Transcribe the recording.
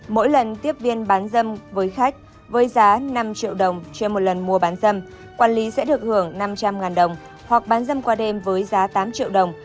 mỗi lần tiếp viên bán dâm với khách với giá năm triệu đồng trên một lần mua bán dâm quản lý sẽ được hưởng năm trăm linh đồng hoặc bán dâm qua đêm với giá tám triệu đồng